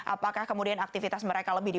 apakah kemudian aktivitas mereka juga akan berhasil